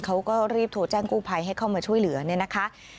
เขาก็รีบโทรแจ้งกู้ภัยให้เข้ามาช่วยเหลือเนี่ยนะคะ